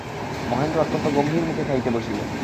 মহেন্দ্র অত্যন্ত গম্ভীর মুখে খাইতে বসিল।